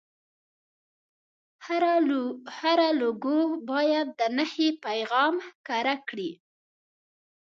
هره لوګو باید د نښې پیغام ښکاره کړي.